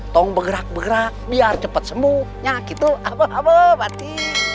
bisa bergerak gerak biar cepat sembuh ya gitu apa apa berarti